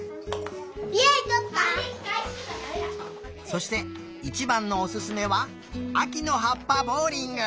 そしていちばんのおすすめはあきのはっぱボウリング。